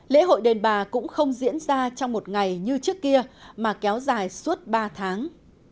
lễ hội đền bà cũng không diễn ra trong một ngày như trước kia mà kéo dài suốt ba tháng